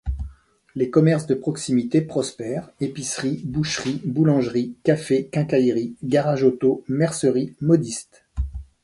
Les commerces de proximité prospèrent, épiceries, boucheries, boulangeries, cafés, quincailleries, garages auto, merceries, modistes.